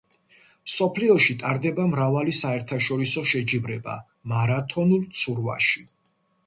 მსოფლიოში ტარდება მრავალი საერთაშორისო შეჯიბრება მარათონულ ცურვაში.